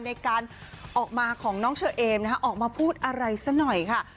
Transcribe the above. ในการออกมาของน้องเชอเอมนะคะออกมาพูดอะไรสักหน่อยค่ะ